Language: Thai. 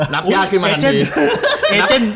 นับญาติขึ้นมาทันที